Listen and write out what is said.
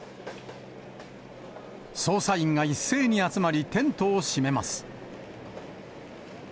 捜査員が一斉に集まりテントを閉めます。